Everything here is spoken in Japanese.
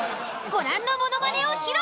ご覧のものまねを披露。